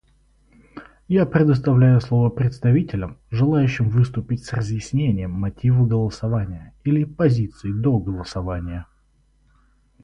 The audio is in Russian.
Я предоставляю слово представителям, желающим выступить с разъяснением мотивов голосования или позиции до голосования.